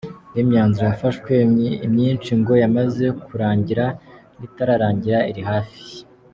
Indi myanzuro yafashwe imyinshi ngo yamaze kurangira, n’itararangira iri hafi.